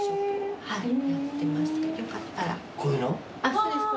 そうです。